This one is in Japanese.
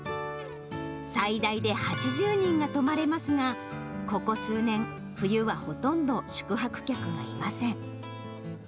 最大で８０人が泊まれますが、ここ数年、冬はほとんど宿泊客がいません。